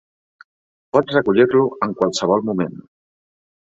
Pot recollir-lo en qualsevol moment.